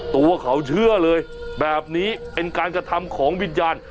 ตัวเขาเชื่อเลยแบบนี้เป็นการกระทำของวิญญาณ